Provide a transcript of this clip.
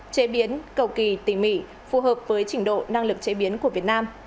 chế biến cầu kỳ tỉ mỉ phù hợp với trình độ năng lực chế biến của việt nam